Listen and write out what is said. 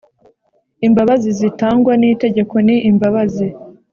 Imbabazi zitangwa n itegeko ni imbabazi